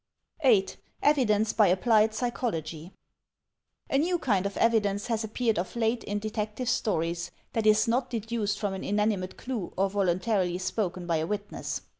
8. Evidence by Applied Psychology A new kind of evidence has appeared of late in Detective Stories that is not deduced from an inanimate clue or volun tarily spoken by a witness.